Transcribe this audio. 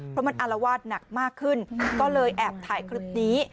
เพราะมันอารวาสหนักมากขึ้นก็เลยแอบถ่ายคลิปนี้